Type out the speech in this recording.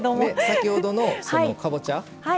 先ほどのかぼちゃ。